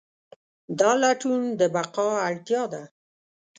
دا لټون د بقا اړتیا ده.